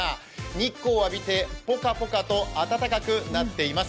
日光を浴びて、ポカポカと暖かくなっています。